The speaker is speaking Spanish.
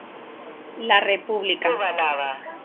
La República".